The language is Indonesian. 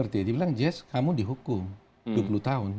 dia bilang jess kamu dihukum dua puluh tahun